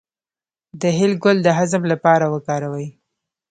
د هل ګل د هضم لپاره وکاروئ